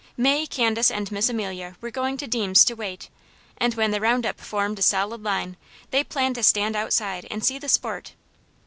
May, Candace, and Miss Amelia were going to Deams' to wait, and when the round up formed a solid line, they planned to stand outside, and see the sport.